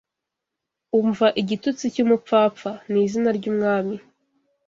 Umva igitutsi cy'umupfapfa; ni izina ry'umwami